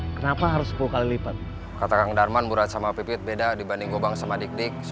kenapa harus sepuluh kali lipat katakan darman murad sama pipit beda dibanding gobang sama dik dik